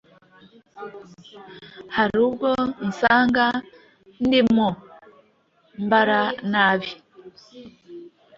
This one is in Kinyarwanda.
Har'ubwo nsanga ndimwo mbara nabi